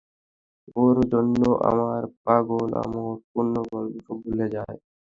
ওর জন্য আমার পাগলামোপূর্ণ ভালোবাসাও ভুলে যায়।